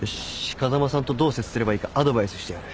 風間さんとどう接すればいいかアドバイスしてやる。